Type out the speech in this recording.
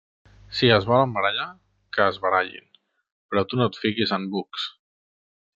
Si es volen barallar, que es barallin, però tu no et fiquis en bucs.